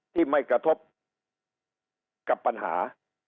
ที่ไม่กระทบกับปัญหา